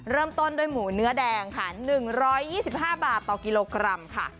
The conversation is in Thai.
เริ่มต้นด้วยหมูเนื้อแดงค่ะ๑๒๕บาทต่อกิโลกรัมค่ะ